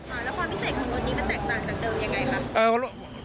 แล้วความพิเศษของรถนี้มันแตกต่างจากเดิมอย่างไรคะ